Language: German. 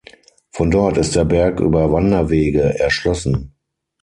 Von dort ist der Berg über Wanderwege erschlossen.